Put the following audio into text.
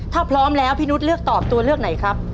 ถ้าพร้อมแล้วพี่นุษย์เลือกตอบตัวเลือกไหนครับ